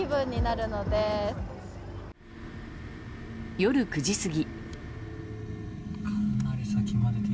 夜９時過ぎ。